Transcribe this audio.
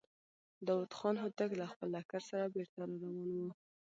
داوود خان هوتک له خپل لښکر سره بېرته را روان و.